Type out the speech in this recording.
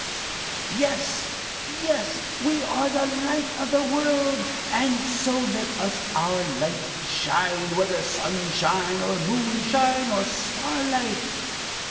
Yes! yes! we are the light of the world, and so let us let our light shine, whether sunshine, or moonshine, or starlight!